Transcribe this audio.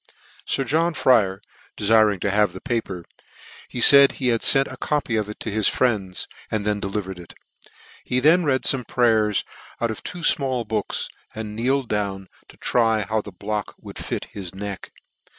Sir John Fryer defiring to have the paper, he faid he had fcnt a copy of it to his friends, and then delivered it. He then read fome prayers out of two fmall books, and kneeled down to try how the block would fit his neck.